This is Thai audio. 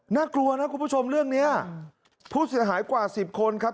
น่ากลัวนะคุณผู้ชมเรื่องนี้ผู้เสียหายกว่าสิบคนครับ